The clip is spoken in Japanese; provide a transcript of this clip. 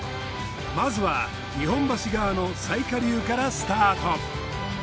まずは日本橋川の最下流からスタート。